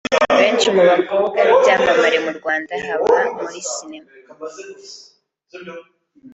Benshi mu bakobwa b’ibyamamare mu Rwanda haba muri Sinema